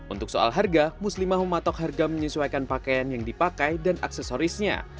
untuk soal harga muslimah mematok harga menyesuaikan pakaian yang dipakai dan aksesorisnya